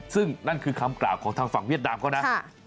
ซึ่งนั่นคือคำกล่าวของทางฝั่งเวียดนามเขานะ